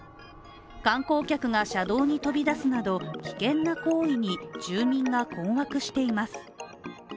観光客が車道に飛び出すなど危険な行為に住民が困惑しています。